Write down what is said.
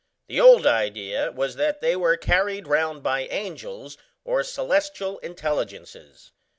The old idea was that they were carried round by angels or celestial intelligences.